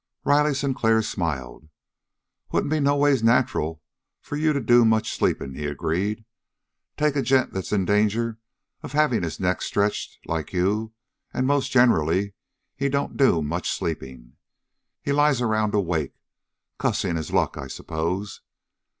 Riley Sinclair smiled. "Wouldn't be no ways nacheral for you to do much sleeping," he agreed. "Take a gent that's in danger of having his neck stretched, like you, and most generally he don't do much sleeping. He lies around awake, cussing his luck, I s'pose.